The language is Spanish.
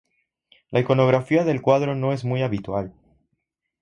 La iconografía del cuadro no es muy habitual.